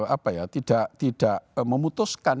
apa ya tidak memutuskan